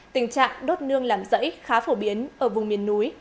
tình trạng đốt nương làm rẫy khá phổ biến ở vùng miền núi